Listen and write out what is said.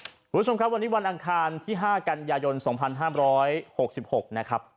คุณผู้ชมครับวันนี้วันอังคารที่๕กันยายน๒๕๖๖นะครับ